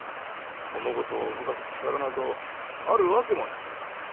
物事を動かす力などあるわけもないと。